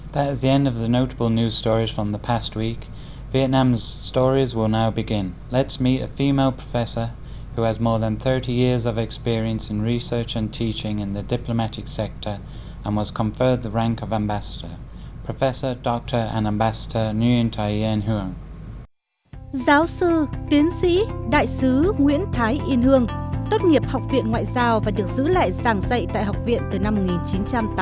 giáo sư tiến sĩ đại sứ nguyễn thái yên hương tốt nghiệp học viện ngoại giao và được giữ lại giảng dạy tại học viện từ năm một nghìn chín trăm tám mươi năm